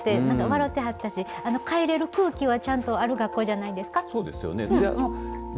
ろってはったし帰れる空気はちゃんとある学校じゃないですか。